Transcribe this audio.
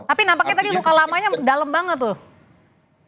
tapi nampaknya tadi luka lamanya dalam banget tuh